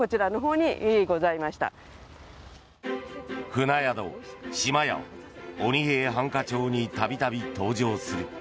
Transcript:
船宿嶋やは「鬼平犯科帳」に度々登場する。